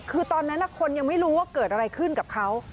คือตอนนั้นคนยังไม่รู้ว่าเกิดอะไรขึ้นกับเขา